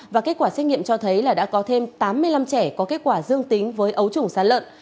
và kết quả xét nghiệm cho thấy là đã có thêm tám mươi năm trẻ có kết quả dương tính với ấu trùng sát lợn